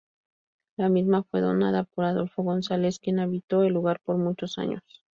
La misma fue donada por Adolfo González, quien habitó el lugar por muchos años.